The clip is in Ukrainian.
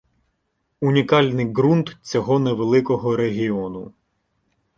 Унікальний ґрунт цього невеликого регіону.